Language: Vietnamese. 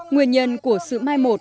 nguyên nhân của sự mai một